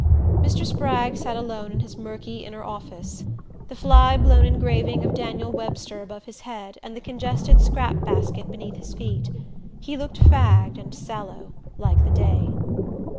Mr. Spragg sat alone in his murky inner office, the fly blown engraving of Daniel Webster above his head and the congested scrap basket beneath his feet. He looked fagged and sallow, like the day.